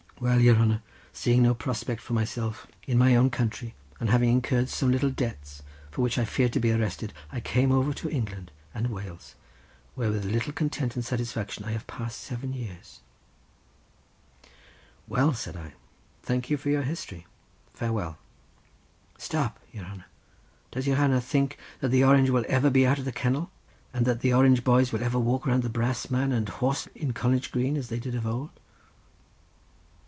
Well, your hanner, seeing no prospect for myself in my own country, and having incurred some little debts, for which I feared to be arrested, I came over to England and Wales, where with little content and satisfaction I have passed seven years." "Well," said I, "thank you for your history—farewell." "Stap, your hanner; does your hanner think that the Orange will ever be out of the kennel, and that the Orange boys will ever walk round the brass man and horse in College Green as they did of ould?"